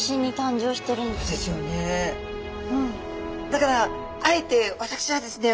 だからあえて私はですね